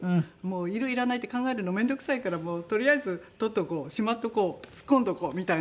いるいらないって考えるの面倒くさいからもうとりあえず取っておこうしまっておこう突っ込んでおこうみたいな。